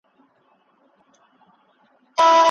خپل فکر به د حقایقو په رڼا کي جوړوئ.